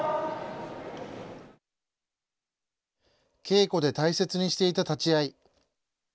稽古で大切にしていた立ち合い。